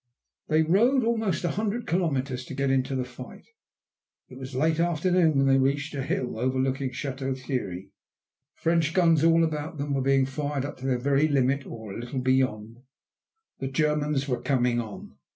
They rode almost a hundred kilometres to get into the fight. It was late afternoon when they reached a hill overlooking Château Thierry. French guns all about them were being fired up to their very limit or a little beyond. The Germans were coming on.